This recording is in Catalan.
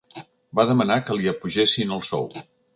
Va demanar que li apugessin el sou.